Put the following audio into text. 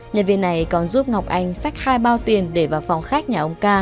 nhân viên này còn giúp ngọc anh xác hai bao tiền để vào phòng khách nhà ông ca